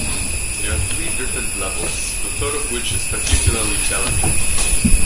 There are three different levels, the third of which is particularly challenging.